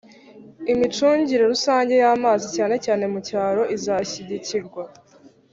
imicungire rusange y'amazi cyane cyane mu cyaro izashyigikirwa.